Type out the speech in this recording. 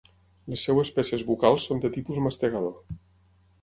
Les seves peces bucals són de tipus mastegador.